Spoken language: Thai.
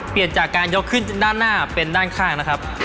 เปลี่ยนจากการยกขึ้นด้านหน้าเป็นด้านข้างนะครับ